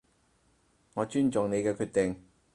我尊重你嘅決定